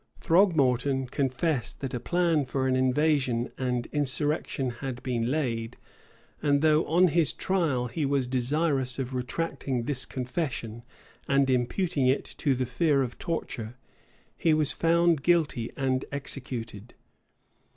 Throgmorton confessed that a plan for an invasion and insurrection had been laid; and though, on his trial, he was desirous of retracting this confession, and imputing it to the fear of torture, he was found guilty and executed.